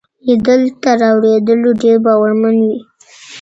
ليدل تر اورېدلو ډېر باورمن وي.